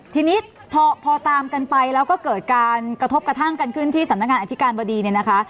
ทีนี้พอตามกันไปแล้วก็เกิดการกระทบกระทั่งกันขึ้นที่สำนักงานอธิการบดีเนี่ยนะคะ